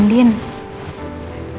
ini di tulis lalu